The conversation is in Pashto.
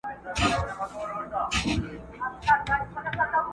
زما په مینه زوی له پلار څخه بیلیږي،